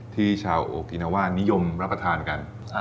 ที่ชาวโอกินาว่านิยมรับประทานกัน